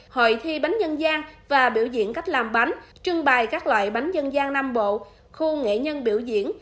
hội thi bánh dân gian và biểu diễn cách làm bánh trưng bày các loại bánh dân gian nam bộ khu nghệ nhân biểu diễn